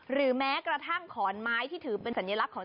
หรือแม้กระทั่งขอนไม้ที่ถือเป็นสัญลักษณ์ของ